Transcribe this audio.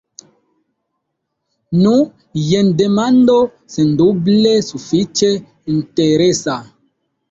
Nu, jen demando sendube sufiĉe interesa.